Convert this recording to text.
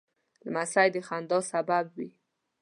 لمسی د خندا سبب وي.